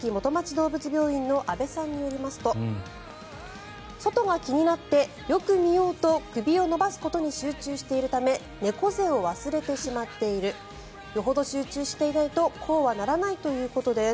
どうぶつ病院の阿部さんによりますと外が気になってよく見ようと首を伸ばすことに集中しているため猫背を忘れてしまっているよほど集中していないとこうはならないということです。